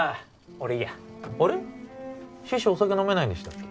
俺いいやあれ師匠お酒飲めないんでしたっけ？